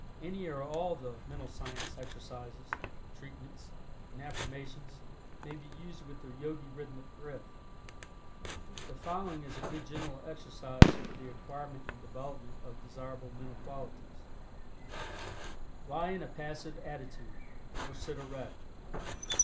Any or all the "Mental Science" exercises, "treatments" and "affirmations" may be used with the Yogi Rhythmic Breath. The following is a good general exercise for the acquirement and development of desirable mental qualities: Lie in a passive attitude, or sit erect.